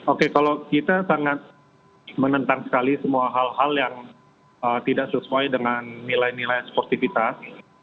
oke kalau kita sangat menentang sekali semua hal hal yang tidak sesuai dengan nilai nilai sportivitas